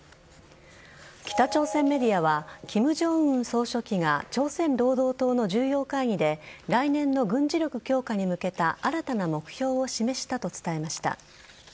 北朝鮮メディアは金正恩総書記が朝鮮労働党の重要会議で来年の軍事力強化に向けた新たな目標を示したと伝えました。